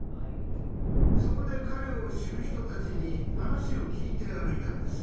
そこで彼を知る人たちに話を聞いて歩いたんです。